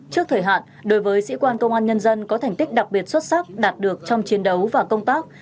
trước thời hạn đối với sĩ quan công an nhân dân có thành tích đặc biệt xuất sắc đạt được trong chiến đấu và công tác